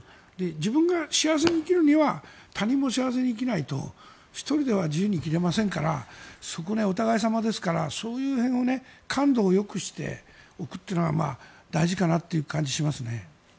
自分が幸せに生きるには他人も幸せに生きないと１人では自由に生きれませんからそこはお互い様ですからその辺を感度をよくしておくというのが大事かなという感じがしますね。